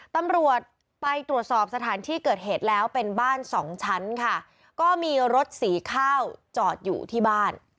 ตำรวจไปตรวจสอบสถานที่เกิดเหตุแล้วเป็นบ้านสองชั้นค่ะก็มีรถสีข้าวจอดอยู่ที่บ้าน